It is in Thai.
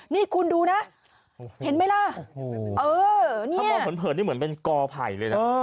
นี่คุณดูนะเห็นไหมล่ะเออเนี่ยพระบอบเผินเผินที่เหมือนเป็นกอไผ่เลยนะ